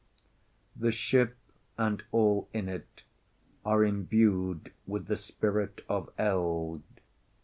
The ship and all in it are imbued with the spirit of Eld.